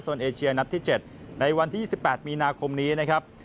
ส่วนเอเชียนัดที่๗ในวันที่๒๘มีนาคมนี้นะครับ